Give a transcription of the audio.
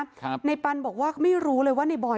ปืนมันลั่นไปใส่แฟนสาวเขาก็ยังยันกับเราเหมือนเดิมแบบนี้นะคะ